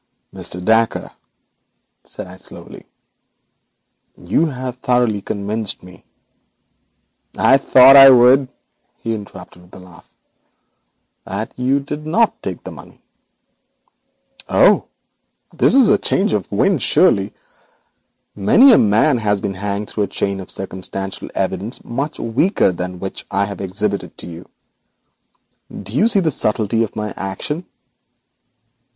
'Mr. Dacre,' said I slowly, 'you have thoroughly convinced me ' 'I thought I would,' he interrupted with a laugh. ' that you did not take the money.' 'Oho, this is a change of wind, surely. Many a man has been hanged on a chain of circumstantial evidence much weaker than this which I have exhibited to you. Don't you see the subtlety of my action?